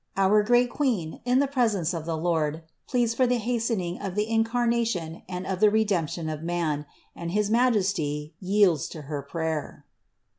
OUR GREAT QUEEN, IN THE PRESENCE OF THE LORD, PI^EADS FOR THE HASTENING OF THE INCARNATION AND OF THE REDEMPTION OF MAN, AND HIS MAJESTY YIEU)S TO HER PRAYER.